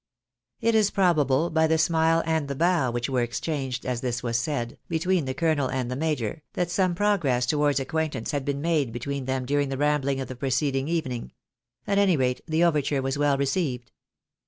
" It is probable, by the smile and the bow which were exchanged, as this was said, between the colonel and the major, that some pro gress towards acquaintance had been made between them during the rambling of the preceding evening ; at any rate, the overture was well received.